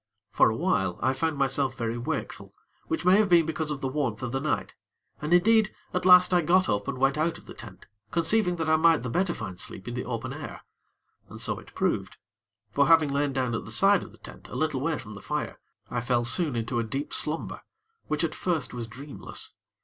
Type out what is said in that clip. For a while, I found myself very wakeful, which may have been because of the warmth of the night, and, indeed, at last I got up and went out of the tent, conceiving that I might the better find sleep in the open air. And so it proved; for, having lain down at the side of the tent, a little way from the fire, I fell soon into a deep slumber, which at first was dreamless.